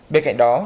bên cạnh đó